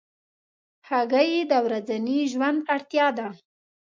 هګۍ د ورځني ژوند اړتیا ده.